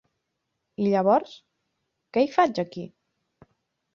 I llavors, què hi faig aquí?